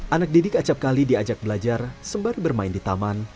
anak didik acapkali diajak belajar sembari bermain di taman